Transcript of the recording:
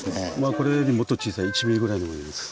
これよりもっと小さい１ｍｍぐらいのもいます。